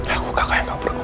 aku kakak yang gak berguna